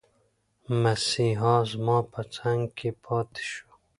مسیحا زما په څنګ کې پاتي شو.